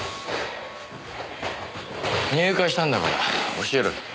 入会したんだから教えろよ。